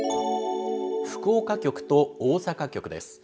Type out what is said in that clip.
福岡局と大阪局です。